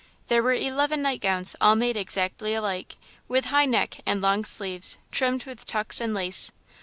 There were eleven night gowns, all made exactly alike, with high neck and long sleeves, trimmed with tucks and lace.